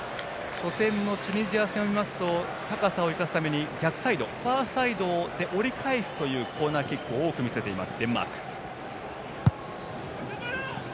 初戦のチュニジア戦は高さを生かすために逆サイドファーサイドで折り返すコーナーキックを多く見せています、デンマーク。